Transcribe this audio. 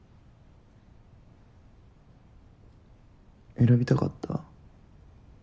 選びたかった？